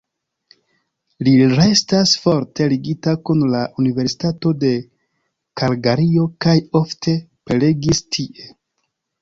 Li restas forte ligita kun la Universitato de Kalgario kaj ofte prelegis tie.